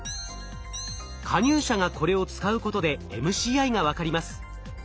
加入者がこれを使うことでＭＣＩが分かります。